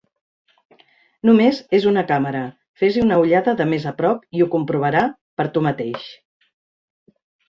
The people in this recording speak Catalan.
Només és una càmera, fes-hi una ullada de més a prop i ho comprovarà per tu mateix.